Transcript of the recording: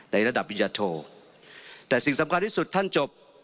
ในระดับวิญญาโทแต่สิ่งสำคัญที่สุดท่านจบ